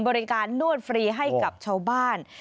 บริการนวดฟรีให้กับเช้าบ้าน